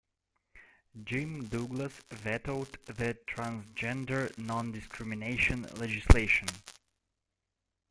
Jim Douglas vetoed the Transgender Non-discrimination legislation.